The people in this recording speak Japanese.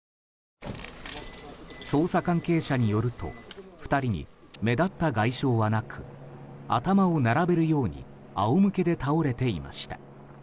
捜査関係者によると２人に目立った外傷はなく頭を並べるように仰向けで倒れていました。